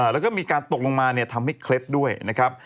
แล้วก็มีการตกลงมาทำให้เคล็ดด้วยนะครับ